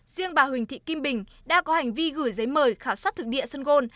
riêng bà huỳnh thị kim bình đã có hành vi gửi giấy mời khảo sát thực địa sân gôn